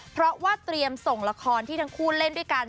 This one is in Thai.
เพราะว่าเตรียมส่งละครที่ทั้งคู่เล่นด้วยกัน